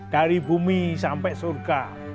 dari bumi sampai surga